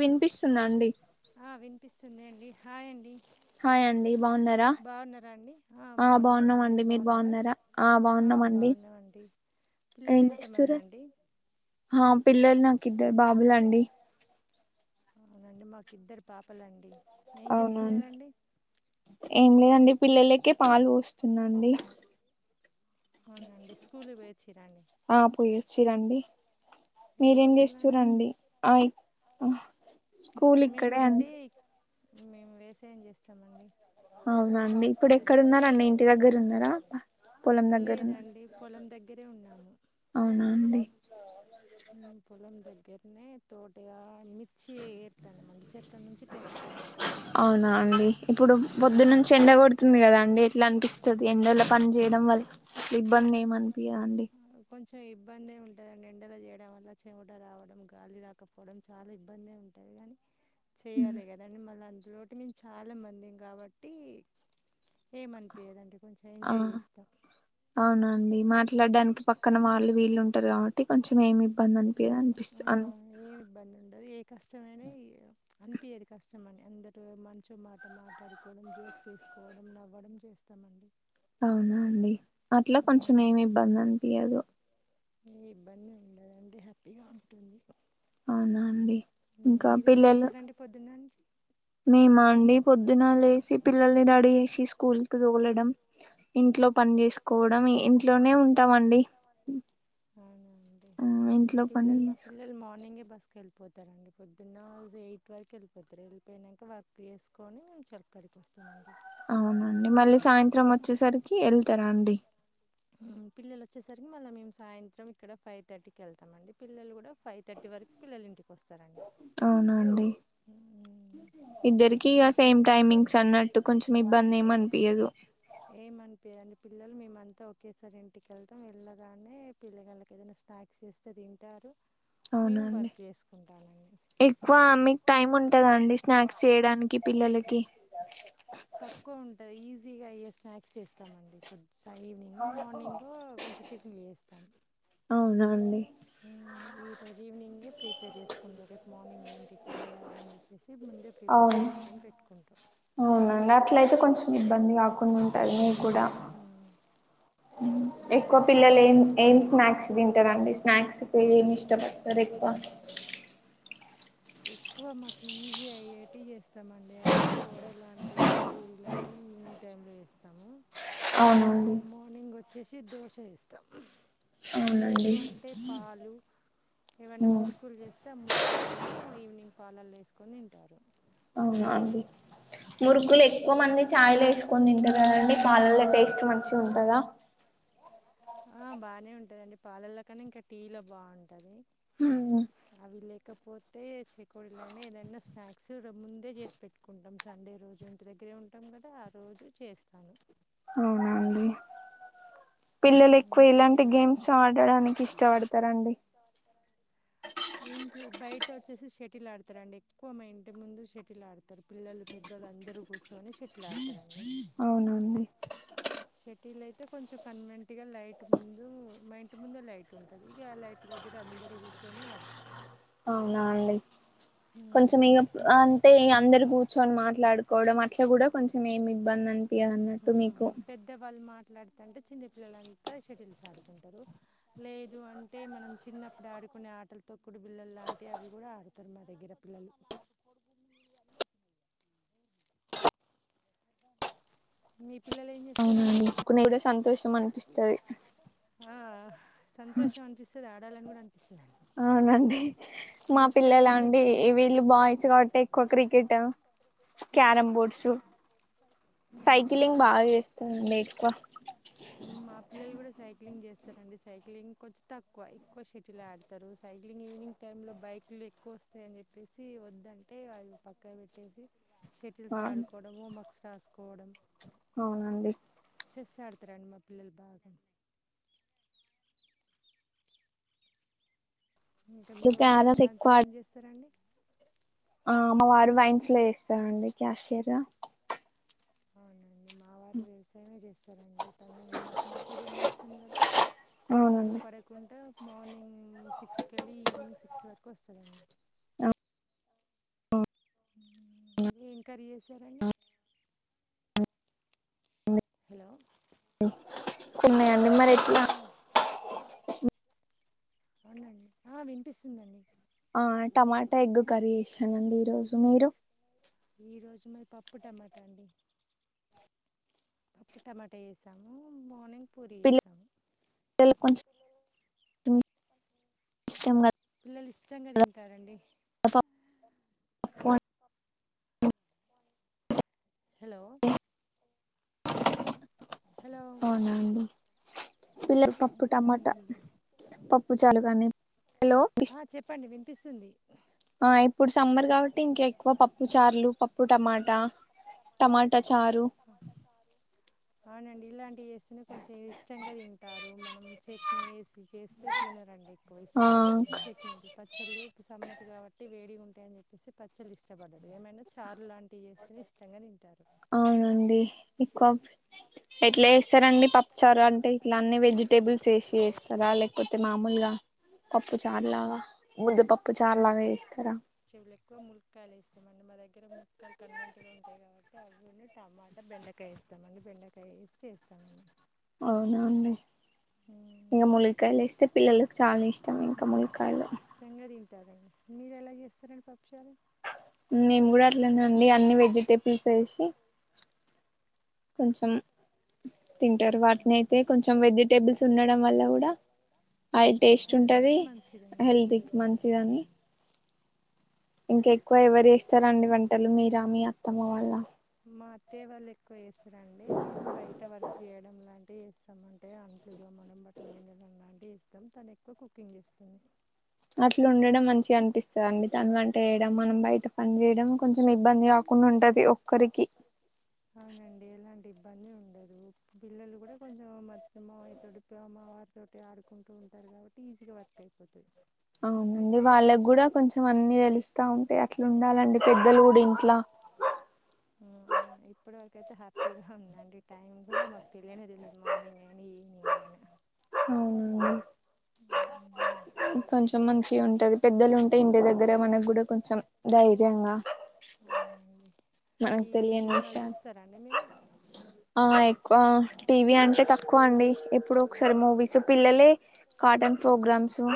వినిపిస్తుంద అండి అండి హాయ్ అండి హాయ్ అండి బాగున్నారా ఆ బాగున్నామండి మీరు బాగున్నారా ఆ బాగున్నామండి ఏం చేస్తార్రు పిల్లలు నాకు ఇద్దరు బాబులండి అవునండి మాకిద్దరు పాపలండి అవునండి ఏం లేదా అండి పిల్లలకే పాలు పోస్తున్నాండి ఆ పోయోచ్చు రండి మీరేం చేస్తూరండి ఆ స్కూల్ ఇక్కడే అండి మేము వ్యవసాయం చేస్తామండి అవునండి ఇప్పుడు ఎక్కడన్నారండి ఇంటి దగ్గర ఉన్నర్ లేదండి పొలం దగ్గరే ఉన్నాము పొలం దగ్ నే తోటిగా అవునా అండి ఇప్పుడు పొద్దు నుంచి ఎండ కొడుతుంది కదా అండి ఎట్లా అనిపిస్తుంది ఎండలో పని చేయడం వల్ల ఇబ్బంది ఎం మనపియదండి కొంచెం ఇబ్బందే ఉంటుందండి ఎండలు చేయడం వల్ల చెమట రావడం గాలి రాకపోవడం చాలా ఇబ్బంది ఉంటుంది కానీ చేయ్యాలి కదండి మళ్ళీ అందులో మేము చాలా మందిం కాబట్టి ఏమనిపయదండి ఆ అవునండి మా మాట్లాడడానికి పక్కన వాళ్ళు వీళ్ళు ఉంటారు కాబట్టి కొంచెం ఏమి ఆ ఏమి ఇబ్బంది ఉండదు ఏ కష్టమైనా అనిపియ్యదు కష్టం అని అందరూ మంచో మాట మాట్లాడుకోవడం జోక్స్ వేసుకోవడం నవ్వడం చేస్తామండి అవునా అండి అట్లా కొంచెం ఏమి ఇబ్బంది అనిపియ్యదు ఏ ఇబ్బంది ఉండదండి హ్యాపీగా ఉంటుంది అవునా అండి ఇంకా పిల్లలు మేమా అండి పొద్దున లేేసి పిల్లల్ని రెడీచెస్ స్కూల్ కి తోలడం ఇంట్లో పని చేసుకోవడం ఇంట్లోనే ఉంటామండి హు పిల్లలు మా పిల్లలు మార్నింగే బస్కెల్ పోతారండి పొద్దున్న ఎయిట్ వరకు వెళ్ళిపోతారు వెళ్ళిపోయానాక వర్క్ చేసుకొని మ్ చెల్కడికి వస్తామండి అవునండి మళ్ళీ సాయంత్రం వచ్చేసరికి వెళ్తారా అండి హు పిల్లలు వచ్చేసరికి మళ్ళ మేము సాయంత్రం ఇక్కడ ఫైవ్ తర్టీ కేళ్తామండి పిల్లలు కూడా ఫైవ్ థర్టీ వరకు పిల్లలు ఇంటికోస్ అవునా అండి ఇద్దరికి ఇగ సేమ్ టైమింగ్స్ అన్నట్టు కొంచెం ఇబ్బంది ఏమనిపియ్యదు ఏమనిపియ్యదండి పిల్లలు మేమంతా ఒకేసారి ఇంటిక వెళ్తాం వెళ్ళగానే పిల్ల గళ్ళకి ఏదైనా స్నాక్స్ చేస్తే తింటారు అవునండి ఎక్కువ మీకు టైం ఉంటదా అండి స్నాక్స్ చేయడానికి పిల్లలకి తక్కువ ఉంటది ఈజీగా అయ్యే స్నాక్స్ చేస్తామండి పొద్ స్త ఈవినింగ్ మార్నింగ కొంచెం టిఫిన్లు చెస్తాం డి మార్నింగ్ ఏంటి ఏం చేయాలని చెప్పేసి ముందే ప్రిపేర్ చేసుకొని పెట్టుకుంటాం మీబ్బంది కాక్ కుండుంటది మీక్కుడా ఎక్కువ పిల్లలు ఏం ఏం స్నాక్స్ తింటారండి స్నాక్స్ కేమి ఇష్టపడుతరు ఎక్ ఆ ఎక్కువ మాకు ఈజీ అయ్యేటివి చేస్తామండి అంటే వడ లాంటియి పూరి లాంటియి ఈవినింగ్ టైంలో చేస్తాము మార్నింగ్ వచ్చేసి దోశ వేస్తాం లేదు అంటే పాలు ఏమన్నా మురుకులు చేస్తే ఆ మురుకులన్నా ఈవినింగ్ పాల ళ్లేస్కొని తింటారు అండి మురుకులు ఎక్కువ మంది చాయ్ లిస్కొని తింటారు కదండి పాలల్ల టేస్ట్ మంచిగుంటదా ఆ బానే ఉంటదండి పాలల్లోకన్నా ఇంకా టీల బాగుంటది అవి లేకపోతే చెకోడిలైన ఏదైనా స్నాక్స్ ముందే చేసి పెట్టుకుంటాం సండే రోజు ఇంటి దగ్గరే ఉంటాం కదా ఆ రోజు చేస్తాను పిల్లలు ఎక్కువ ఇలాంటి గేమ్స్ ఆడడానికి ఇష్టపడుతరండి లోచ్చేసి షటిల్ ఆడుతరండి ఎక్కువ మా ఇంటి ముందు షటిల్ ఆడుతరు పిల్లలు పెద్దోళ్లు అందరు కూర్చొని షటిల్ ఆడుతరండి అవున అండి షేటీల్ అయితే కొంచెం కన్వీనెంట్ గా లైట్ ముందు మా ఇంటి ముందే లైట్ ఉంటది ఇగ ఆ లైట్ దగ్గర అందరు కూర్చొని ఆడ్ అవునా అండి కొంచెం ఇగ అంటే అందరు కూర్చొని మాట్లాడుకోవడం అట్ల కూడా కొంచెం ఏమి ఇబ్బంది అనిపియ్యదన్న త మీకు మాట్లాడుతంటే చిన్న పిల్లలంతా షటిల్స్ ఆడుకుంటారు లేదు అంటే మనం చిన్నప్పుడు ఆడుకునే ఆటలు తొక్కుడు బిల్లలు లాంటివి అవి కూడా ఆడతారు మా దగ్గర పిల్లలు మీ అవునండి ఎకునే కూడా సంతోషం అనిపిస్తుంది అవునండి మా పిల్లల అండి వీళ్ళు బాయ్స్ కాబట్టి ఎక్కువ క్రికెట్ క్యార బోర్డ్స్ సైకిలింగ్ బాగా చేస్తారండి ఎక్కువ సైక్లింగ్ చేస్తారండి సైక్లింగ్ కొంచెం తక్కువ ఎక్కువ షెటిల్ ఆడతారు సైక్లింగ్ ఈవినింగ్ టైంలో బైక్లు ఎక్కువ వస్తాయని చెప్పేసి వద్దంటే అవి పక్క పెట్టేసి షటిల్స్ ఆడుకోవడము మక్స్ రాసుకో కోడం అవునండి చెస్ ఆడతారండి మా పిల్లలు బాగా ఇంకా మీ వారు ఇట్లా అంతర ఏం చేస్తారండి మా వారు వైన్స్ లో చేస్తారంండి క్యాస్ర్గా అవునండి మా వారు వ్యవసాయమే చేస్తారు సరే అండి తను మొక్క జనరేషన్ మీద కోతులు పడకుంటడా మార్నింగ్ సిక్స్కి వెళ్ళి ఈవినింగ్ సిక్స్ వరకు వస్తారండి ఏం క్రీ చేసారండి హలో చిన్న నిమ్మ ర ఎట్లా అవునండి ఆ వినిపిస్తుందండి ఆ టమాటా ఎగ్గు కర్రీ చేసానండి ఈరోజు మీరు ఈ రోజు మరి పప్పు టమాటా అండి అప్పుడు టమాటా వేసాము మార్నింగ్ పూరి వేసాము ఇలా కొంచెం నిం పిల్లలు ఇష్టంగా తింటారండి ప్ప హలో అవునండి పిల్ల పప్పు టమాటా ప పుచాలు గానీ ఆ చెప్పండి విన్ పిస్సుంది ఆ ఇప్పుడు సమ్మర్ కాబ టిం కెక్కువ పప్పు చార్లు పప్పు టమాటా టమాటా చారు అవునండి ఇలాం ఎస్తే నే కొంచెం ఇష్టంగా తింటారు మనం చట్నీ వేసి చేస్తే తినరండి ఎక్కువ ఇష్టపడరు చట్నీ పచ్చళ్ళు సమ్మర్ కావట్టి వేడిగ ఉంటాయని చెప్పేసి ప చ్చల్లు ఇష్టబడరు ఏమైనా చారు లాంటివి చేస్తేనే ఇష్టంగా తింటారు అవునండి ఎక్కువ ఎట్లా ఏస్తారండి పప్పుచారు అంటే ఇట్లా అన్న వెజిటేబుల్స్ ఏసి ఏస్తారా లేకపోతే అయితే మామూలుగా పప్పు చారు లాగా ముద్దపప్పు చారు లాగా ఏస్తారా [unintelligible] ఎక్కువ ములిక్కాయలు ఎస్తామండి మా దగ్గర ములిక్కాయలు కన్వీనంట్ గా ఉంటాయి కాబట్టి అవి ను టమాటా బెండకాయ వేస్తామండి బెండకాయ వేసి చేస్తామండి అవునా అండి ఇంగ ములికాయలు ఏస్తే పిల్లలకు చాలా ఇష్టం ఇంకా ములికాయలు తింటా రండి మీరు ఎలా చేస్తారండి పప్పుషారు మేము కూడా అట్లనే అండి అన్ని వెజిటేబుల్స్ వేసి కొంచెం తింటారు వాటిని అయితే కొంచెం వెజిటేబుల్స్ ఉండడం వల్ల కూడా ఆయిల్ టేస్ట్ ఉంటది హెల్తీ మంచిది అని ఇంకె ఎక్కువ ఎవరు జెస్తార అండి వంటలు మీరా మీ అత్తమ్మ వాళ్ళ అత్తయ్య వాళ్ళు ఎక్కువ ఏస్ రండి మేము బయట వర్క్ జేయడం లాంటి అంటే ఎస్తాం అంటే అంట్లు దోమడం బట్లు విండడం లాంటివి చేస్తాం తను ఎక్కువ కుకింగ్ చేస్తుంది అట్లా ఉండడం మంచిగా అనిపిస్తది అండి తను వంట జేయడం మనం బయట పని జేయడం కొంచెం ఇబ్బందిగా కున్న ఉంటది ఒక్కరికి ఇబ్బంది ఉండదు పిల్లలు కూడా కొంచెం మా అత్తమ్మ మామయ్య తోటి మా వారితోటి ఆడుకుంటూ ఉంటారు కాబట్టి ఈజీగా వర్క్ అయిపోతది అవునండి వాళ్ళకి గూడా కొంచెం అన్ని తెలుస్తా ఉం అంటే అట్లా ఉండాలండి పెద్దలు గూడా ఇంట్లా అవును ఇప్పటివరకు అయితే హ్యాపీగా ఉందండి టైమ్ కూడా మాకు తెలియనే తెలియదు మార్నింగ్ అయినా ఈవనింగ్ అయినా కొంచెం మంచిగా ఉంటది పెద్దలు ఉంటే ఇంటి దగ్గర మనకు గుడా కొంచెం ధైర్యంగా టీవీ సినిమాలు చూస్తారా అండి మీరు ఆ ఎక్కువ టీవీ అంటే త క్కువ అండి ఎప్పుడో ఒకసారి మూవీస్ పిల్లలే కాటన్ ప్రోగ్రామ్సు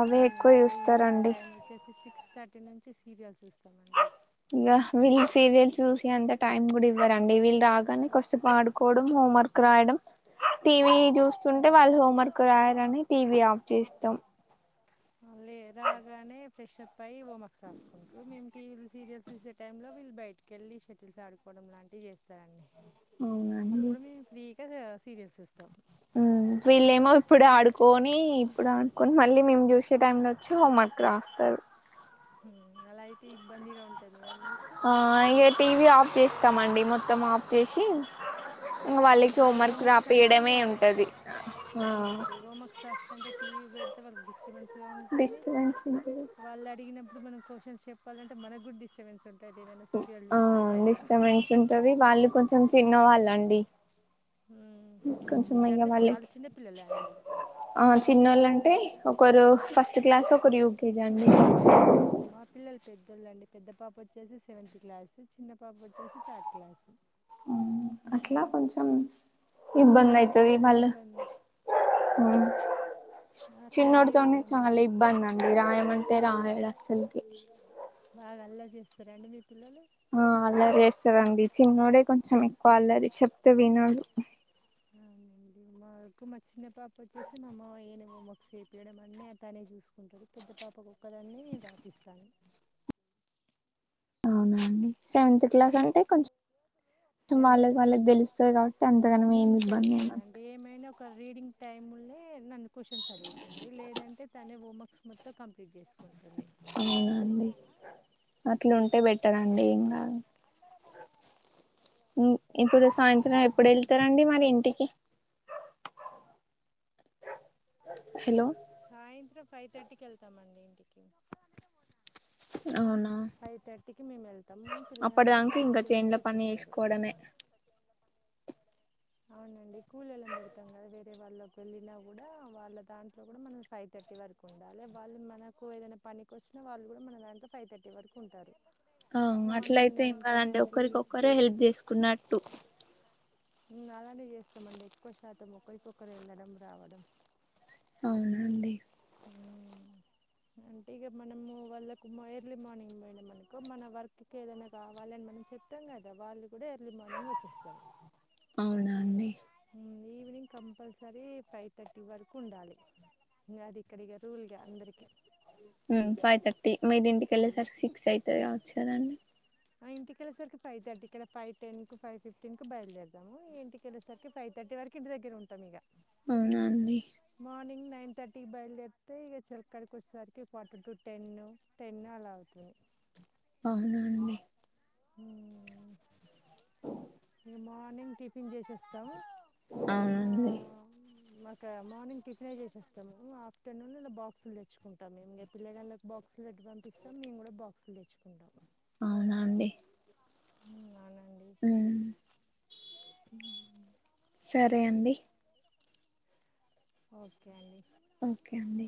అవే ఎక్కువ చూస్తారండి థర్టీ నుంచి సీరియల్స్ చూస్తామండి ఇంగా వీళ్ళ సీరియల్స్ చూసే అంత టైమ్ గూడ ఇవ్వరండి వీళ్ళకి రాగానే కొస్సేపు ఆడుకోవడం హోమ్ వర్క్ రాయడం టీవీ చూస్తుంటే వాళ్ళు హోం వర్క్ రాయరని టీవీ ఆఫ్ చేస్తాం లే రాగానే ఫ్రెష్ అప్ అయ్యి ఓమక్స్ రాసుకుంట్రు మేము టీ వీ లు సీరియల్స్ చూసే టైంలో వీళ్ళు బయటకెళ్ళి షటిల్స్ ఆడుకోవడం లాంటివి చేస్తారండి అవునండి ఏదో సీరియల్స్ చూస్తాం ఊ వీళ్ళేమో ఇప్పుడు ఆడుకొని ఇప్పుడు ఆడుకొని మళ్ళీ మేము చూసే టైం లో వచ్చి హోంవర్క్ రాస్తారు హు అలా అయితే ఇబ్బందిగా ఉన్ ఆ ఇ టీ వీ ఆఫ్ చేస్తామండి మొత్తం ఆఫ్ చేసి ఊ ఈ హోమ్ వర్క్స్ అంటే ఇగ అవునండి హోంవర్క్స్ రాస్తుంటే టీ వీ పెడ్ తే వాళ్ళకు డిస్ టబెన్స్ గా ఉంటుంది వాళ్ళు అడిగిన ఇప్పుడు మనం క్వష్షన్స్ చెప్పాలంటే మనకి గుడూ డిస్టబెన్స్ ఆ డిస్టర్బెన్స్ ఉంటది వాళ్ళు కొంచెం చిన్నవాళ్ళండి కొంచెం ఇైగ వాళ్ళ ఆ చిన్నోళ్ళుంటే ఒకరు ఫస్ట్ క్లాస్ ఒకరు యూకేజీ అండి పెద్ద పాప వచ్చేసి సెవెంత్ క్లాసు చిన్న పాప వచ్చేసి థర్డ్ క్లాసు అట్లా కొంచెం ఇబ్ బందయితవి మళ్ళ చిన్నటితోనే చాలా ఇబ్బంది అండి రాయం అంటే రాయ రా బాగా అల్లరీ చేస్తారండి మీ పిల్లలు ఆ అల్లరి స్తుదండి చిన్నోడే కొంచెం ఎక్కువ అల్లరి చెప్తే వినడు అవునండి మా వకు మా చిన్న పాప వచ్చేసి మా అమ ఏ హోంవర్క్ చేపయడం అన్న అ తనే చూసుకుంటాడు పెద్ద పాపకు ఒకక్కదాే నేను రాపిస్తాను అవునాండి సెవెంత్ క్లాస్ అంటే కొంచెం కొంచం వాళ్ళకి వాళ్ళకి తెలుస్తుంది కాబట్టి అంతకనం ఏమి ఇబ్బంది ఏమంత ఒక రీడింగ్ టైమ్లే న క్వశ్చన్స్ అడుగుతుది లేదంటే వో మక్స్ మత్త కామ్కి చేస్ పంటలి అట్లాంటే బెటర్ అండి ఏం కాదు ఇప్పుడు సాయంత్రం ఎప్పుడు వెళ్తారంండి మరి ఇంటికి హలో సాయంత్రం ఫైవ్ థర్టీకి వెళ్తామండి ఇంటికి ఫైవ్ థర్టీకి మేము వెళ్తాము పిల్లగళ్ళు కూడా ఫైవ్ థర్టీ వరకు వచ్చేస్తారు అవునండి కూల్ వెళ్ళం పెడతాం కదా వేరే వాళ్ళకి వెళ్ళినా కూడా వాళ్ళ దాంట్లో కూడా మనం ఫైవ్ థర్టీ వరకు ఉండాల వాళ్ళు మనకు ఏదైనా పనికి వచ్చినా వాళ్ళు కూడా మన దాంట్లో ఫైవ్ థర్టీ వరకు ఉంటారు ఆ అట్లయితే ఇంకాదండి ఒక్కరికొక్కరు హెల్ప్ చేసుకున్నట్టు అలానే చేస్తామండి ఎక్కువ శాతం ఒకరికొరు వెళ్ళడం రావడం అవునండి అంటే ఇక మనము వాళ్ళకు ఎర్లీ మార్నింగ్ పోయిన మనుకో మన వర్క్ ఏదైనా కావాలని మనం చెప్తాం కదా వాళ్ళు కూడా ఎర్లీ మార్నింగ్ వచ్చేస్తారు ఈవినింగ్ కంపల్సరీ ఫైవ్ థర్టీ వరకు ఉండాలి అది ఇక్కడిక రూల్గా అందరికీ హమ్ ఫైవ్ తథర్టీ మీది ఇంటికిల్ె సార్కి సిక్స్ అయితాదా అ చ కదండి ఆ ఇంటి వెళ్ళసరికిైవ్థర్టీ ఇక్కడైవ్ె కుై్ ఫిఫ్టీన్ కు బయలుదేతాము ఇంటి వెళ్ళసరికి ఫైవ్ ర్టీ వరకు ఇంటి దగ్గర ఉంటాం ఇక అవునా అండి నైన్ థర్టీకి బయలుదేరితే ఇక చిలక్కడకి వచ్చేసరికి ఫార్టీ టూ టెన్న టెన్న అలా అవుతుంది అవునా అండి హమ్ ఇంగా మార్నింగ్ టిఫిన్ చేసేస్తాము అవునా అండి కా మార్నింగ్ టిఫిన్ చేసేస్తాము ఆఫ్టర్నూన్ ఇలా బాక్సులు తెచ్చుకుంటాము మేము పిల్ల గళ్ళలకు బాక్సులు అడ్ పంపిస్తాము మేము కూడా బాక్సులు తెచ్చుకుంటాము అవునా అండి ఉమ్ అవునండి ఉ హ సరే అండి ఓకే అండి ఓకే అండి